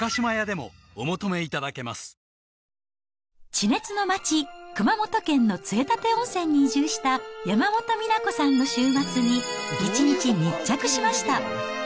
地熱の町、熊本県の杖立温泉に移住した山本美奈子さんの週末に、一日密着しました。